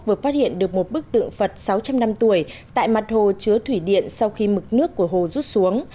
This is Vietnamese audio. và một bức tượng phật sáu trăm linh năm tuổi tại mặt hồ chứa thủy điện sau khi mực nước của hồ rút xuống